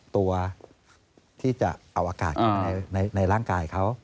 ตัวที่จะเอาอากาศเข้ามาในร่างกายเขา